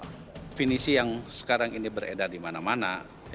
definisi yang sekarang ini beredar di mana mana